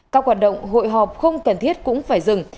các hoạt động hội họp không cần thiết cũng phải dừng